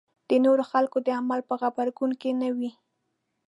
د نورو خلکو د عمل په غبرګون کې نه وي.